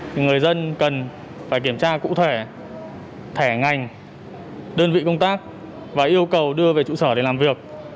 thì người dân cần phải kiểm tra cụ thể thẻ ngành đơn vị công tác và yêu cầu đưa về trụ sở để làm việc